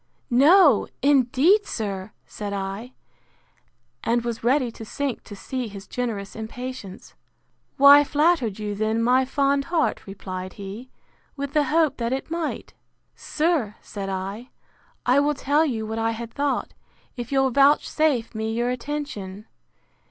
—No, indeed, sir! said I—And was ready to sink to see his generous impatience. Why flattered you then my fond heart, replied he, with the hope that it might?—Sir, said I, I will tell you what I had thought, if you'll vouchsafe me your attention.